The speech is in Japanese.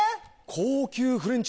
高級フレンチ！